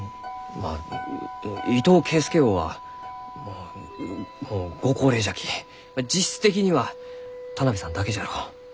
まあ伊藤圭介翁はもうご高齢じゃき実質的には田邊さんだけじゃろう。